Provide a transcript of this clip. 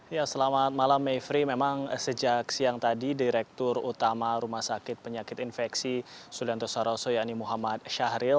ya selamat malam mevri memang sejak siang tadi direktur utama rumah sakit penyakit infeksi sulianto saroso yakni muhammad syahril